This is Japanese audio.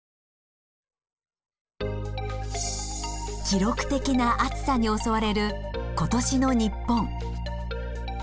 記録的な暑さに襲われる今年の日本。